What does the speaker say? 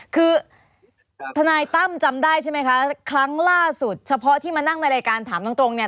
คือทนายตั้มจำได้ใช่ไหมคะครั้งล่าสุดเฉพาะที่มานั่งในรายการถามตรงตรงเนี่ย